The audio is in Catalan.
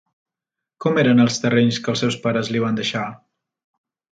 Com eren els terrenys que els seus pares li van deixar?